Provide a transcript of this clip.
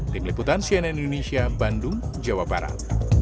tim liputan cnn indonesia bandung jawa barat